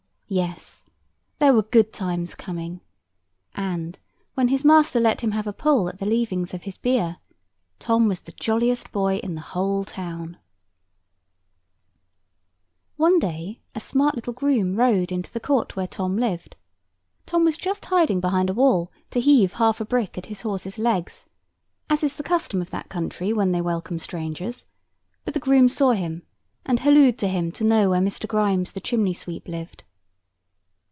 Yes, there were good times coming; and, when his master let him have a pull at the leavings of his beer, Tom was the jolliest boy in the whole town. [Picture: Smart groom and Tom] One day a smart little groom rode into the court where Tom lived. Tom was just hiding behind a wall, to heave half a brick at his horse's legs, as is the custom of that country when they welcome strangers; but the groom saw him, and halloed to him to know where Mr. Grimes, the chimney sweep, lived.